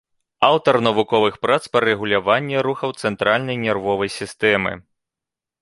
Аўтар навуковых прац па рэгуляванні рухаў цэнтральнай нервовай сістэмай.